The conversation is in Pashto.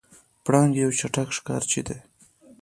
پړانګ یو چټک ښکارچی دی.